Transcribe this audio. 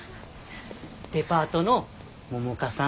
デパートの百花さん。